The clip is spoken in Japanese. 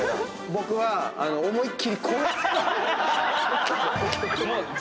僕は思いっ切りこう。